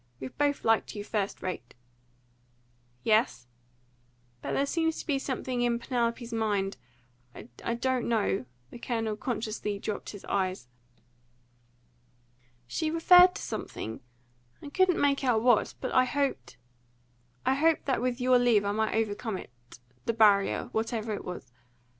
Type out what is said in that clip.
We've both liked you first rate." "Yes?" "But there seems to be something in Penelope's mind I don't know " The Colonel consciously dropped his eyes. "She referred to something I couldn't make out what but I hoped I hoped that with your leave I might overcome it the barrier whatever it was.